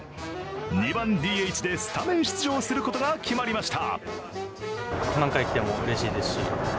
２番・ＤＨでスタメン出場することが決まりました。